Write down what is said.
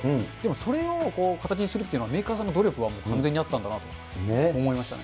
それを形にするっていうのは、メーカーさんの努力が完全にあったんだなと思いましたね。